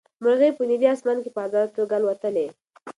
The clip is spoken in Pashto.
مرغۍ په نیلي اسمان کې په ازاده توګه الوتلې.